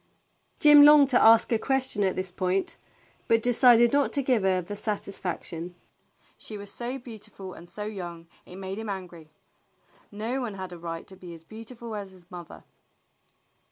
Jim longed to ask a question at this point, but de cided not to give her this satisfaction. She was so beautiful and so young it made him angry. No one had a right to be as beautiful as his mother.